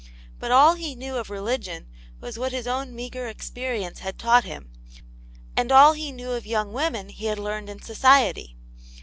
But all he knew of religion was what his own meagre ex perience had taught him, and all he knew of young women he had learned in society.